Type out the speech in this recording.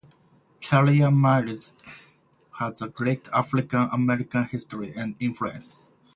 Carrier Mills has a great African American history and influence.